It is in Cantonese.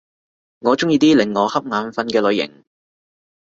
我鍾意啲令我瞌眼瞓嘅類型